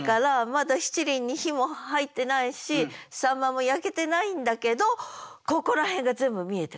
まだ七輪に火も入ってないし秋刀魚も焼けてないんだけどここら辺が全部見えてこない？